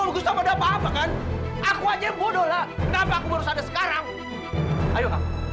lara dengar suara teriak